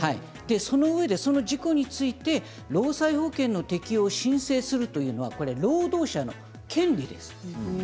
そのうえで、その事故について労災保険の適用を申請するというのは労働者の権利です。